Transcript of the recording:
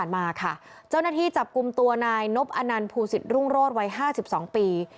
มาค่ะเจ้าหน้าที่จับกลุ่มตัวนายนบอนันต์ภูสิตรุ่งโรศวัย๕๒ปี